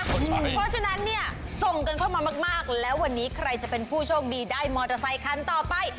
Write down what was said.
เพราะฉะนั้นเนี่ยส่งกันเข้ามามากแล้ววันนี้ใครจะเป็นผู้โชคดีได้มอเตอร์ไซคันต่อไป